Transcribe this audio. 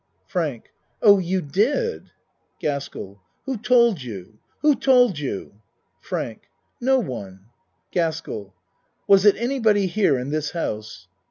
FRANK Oh, you did. GASKELL Who told you? Who told you? FRANK No one. GASKELL Was it anybody here in this house?